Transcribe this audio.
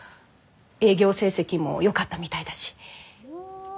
営業成績もよかったみたいだし。